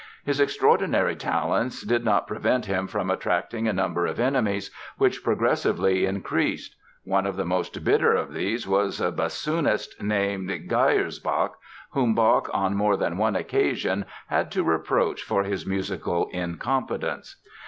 His extraordinary talents did not prevent him from attracting a number of enemies which progressively increased. One of the most bitter of these was a bassoonist named Geyersbach whom Bach on more than one occasion had to reproach for his musical incompetence.